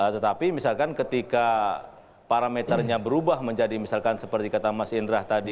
tetapi misalkan ketika parameternya berubah menjadi misalkan seperti kata mas indra tadi